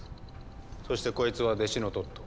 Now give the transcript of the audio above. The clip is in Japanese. そしてこいつは弟子のトット。